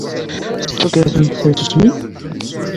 Tettaggademt tasusmi?